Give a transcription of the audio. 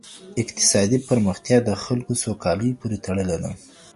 اقتصادي پرمختیا د خلګو سوکالۍ پوري تړلې ده.